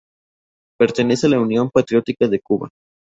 Pertenece a la Unión Patriótica de Cuba.